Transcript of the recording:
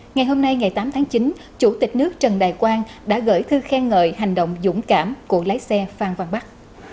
ngày hôm nay ngày tám tháng chín chủ tịch nước trần đại quang đã gửi thư khen ngợi hành động dũng cảm của lái xe phan văn bắc